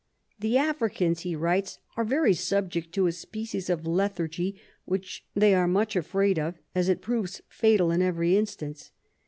"The Africans," he writes, "are very subject to a species of lethargy which they are much afraid of, as it proves fatal in every instance."